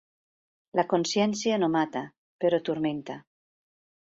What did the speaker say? La consciència no mata, però turmenta.